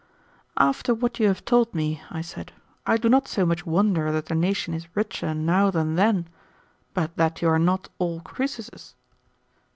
"After what you have told me," I said, "I do not so much wonder that the nation is richer now than then, but that you are not all Croesuses."